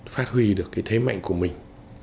phát huy được cái thế mạnh của mình